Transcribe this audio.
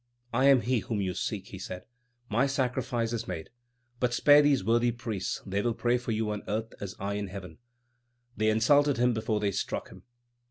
"I am he whom you seek," he said; "my sacrifice is made; but spare these worthy priests; they will pray for you on earth, and I in heaven." They insulted him before they struck him.